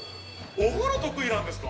お風呂得意なんですか。